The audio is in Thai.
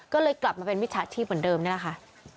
ก็เลยกลับมาเป็นมิจฉาชีพเหมือนเดิมนี่แหละค่ะ